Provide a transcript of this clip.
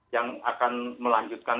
yang akan melanjutkan